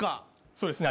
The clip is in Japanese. そうですね。